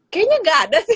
kayaknya nggak ada sih